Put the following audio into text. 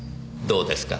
どうですか？